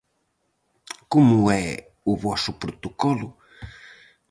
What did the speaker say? Como é o voso protocolo?